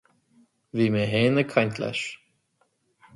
Bhí mé féin ag caint leis